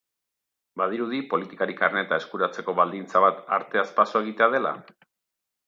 Badirudi politikari karneta eskuratzeko baldintza bat arteaz paso egitea dela?